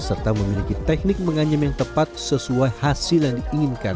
serta memiliki teknik menganyam yang tepat sesuai hasil yang diinginkan